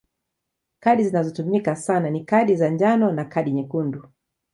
Kadi zinazotumika sana ni kadi ya njano na kadi nyekundu.